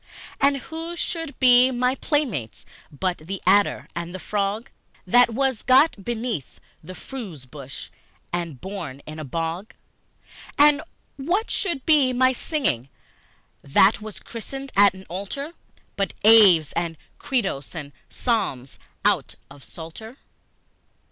And who should be my playmates but the adder and the frog, That was got beneath a furze bush and born in a bog? And what should be my singing, that was christened at an altar, But Aves and Credos and Psalms out of Psalter?